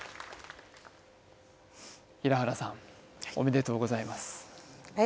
平原さんおめでとうございます